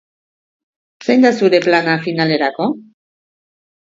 Zein da zure plana finalerako?